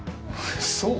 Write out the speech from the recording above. そう？